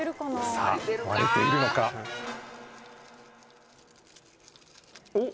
さあ割れているのか・おっ！